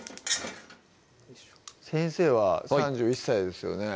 先生は３１歳ですよね